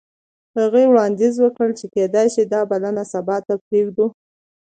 هغې وړاندیز وکړ چې کیدای شي دا بلنه سبا ته پریږدو